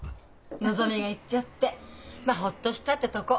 のぞみが行っちゃってまあほっとしたってとこ。